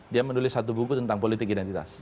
dia menulis satu buku tentang politik identitas